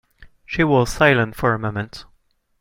She was silent for a moment.